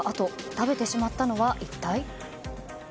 食べてしまったのは一体？